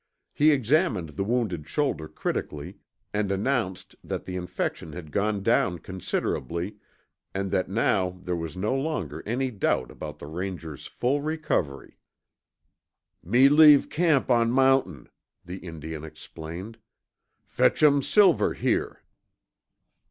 He examined the wounded shoulder critically, and announced that the infection had gone down considerably and that now there was no longer any doubt about the Ranger's full recovery. "Me leave camp on mountain," the Indian explained. "Fetch um Silver here."